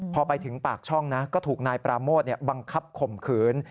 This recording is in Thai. พอไปถึงปากช่องนะก็ถูกนายปราโมทบังคับข่มขืน